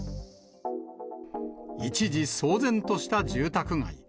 一時騒然とした住宅街。